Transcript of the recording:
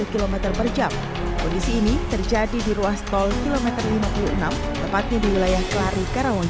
km per jam kondisi ini terjadi di ruas tol kilometer lima puluh enam tepatnya di wilayah kelari karawang